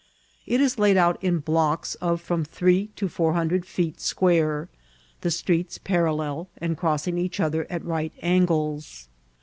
It is laid out in blocks of from three to four hundred feet square, the streets parallel and crossing each other at right angles.